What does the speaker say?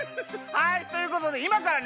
はいということでいまからね